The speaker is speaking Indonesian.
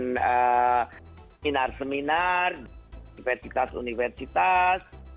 dan seminar seminar universitas universitas